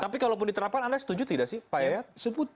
tapi kalau pun diterapkan anda setuju tidak sih pak yayat